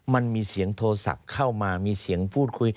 มันมีเสียงโทรศัพท์เข้ามามีเสียงพูดคุย